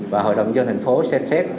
và hội đồng nhân dân tp hcm xem xét